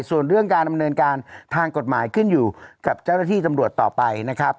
ส่วนเรื่องการดำเนินการทางกฎหมายขึ้นอยู่กับเจ้าหน้าที่ตำรวจต่อไปนะครับ